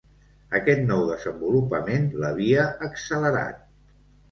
Aquest nou desenvolupament l'havia accelerat.